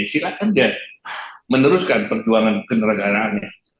silahkan dia meneruskan perjuangan keneragaraannya